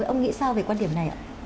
ông nghĩ sao về quan điểm này ạ